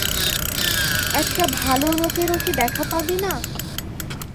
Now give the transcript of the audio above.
একটা ভালো লোকেরও কি দেখা পাবি না?